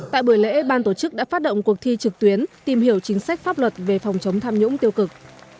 tại buổi lễ ban tổ chức đã phát động cuộc thi trực tuyến tìm hiểu chính sách pháp luật về phòng chống tham nhũng tiêu cực